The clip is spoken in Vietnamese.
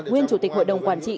nguyên chủ tịch hội đồng quản trị